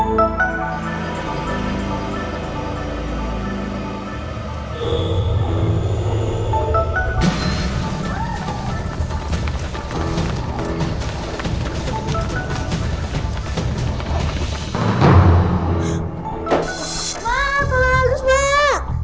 mak apa lagu mak